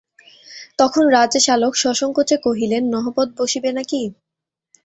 তখন রাজশ্যালক সসংকোচে কহিলেন, নহবত বসিবে না কি?